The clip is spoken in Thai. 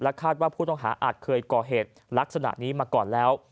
คาดว่าผู้ต้องหาอาจเคยก่อเหตุลักษณะนี้มาก่อนแล้ว